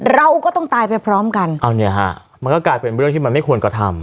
เราก็ต้องตายไปพร้อมกันเอาเนี่ยฮะมันก็กลายเป็นเรื่องที่มันไม่ควรกระทำ